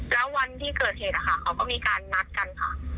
แล้ววันที่เกิดเหตุนะคะเขาก็มีการนัดกันค่ะ